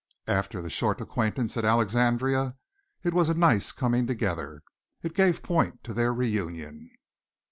After the short acquaintance at Alexandria it was a nice coming together. It gave point to their reunion.